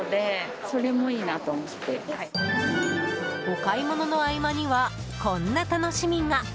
お買い物の合間にはこんな楽しみが。